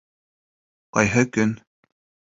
Ҡайһы көн